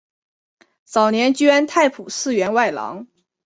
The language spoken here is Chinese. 早年捐太仆寺员外郎。